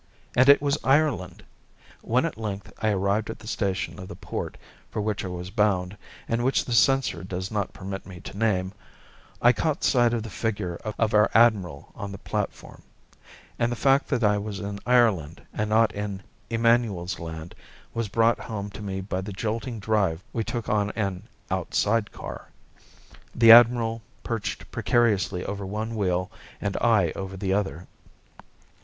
And it was Ireland! When at length I arrived at the station of the port for which I was bound, and which the censor does not permit me to name, I caught sight of the figure of our Admiral on the platform; and the fact that I was in Ireland and not in Emmanuel's Land was brought home to me by the jolting drive we took on an "outside car," the admiral perched precariously over one wheel and I over the other.